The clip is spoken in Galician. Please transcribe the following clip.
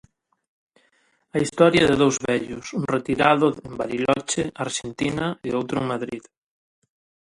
A historia de dous vellos, un retirado en Bariloche, Arxentina, e outro en Madrid.